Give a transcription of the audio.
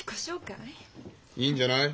いいんじゃない？